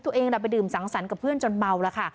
ตัวเองไปดื่มสังสรรค์กับเพื่อนจนเมาแล้วค่ะ